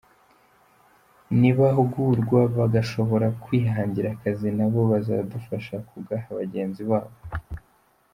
Nibahugurwa bagashobora kwihangira akazi nabo bazadufasha kugaha bagenzi babo.